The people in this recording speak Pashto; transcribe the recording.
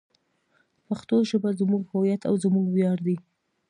پښتو ژبه زموږ هویت او زموږ ویاړ دی.